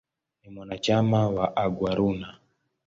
Ni mwanachama wa "Aguaruna".